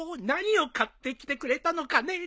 何を買ってきてくれたのかね？